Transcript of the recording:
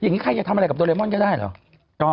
อย่างนี้ใครจะทำอะไรกับโดเรมอนก็ได้เหรอ